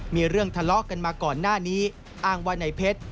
มีเรื่องทะเลาะกันมาก่อนหน้านี้อ้างว่าในเพชร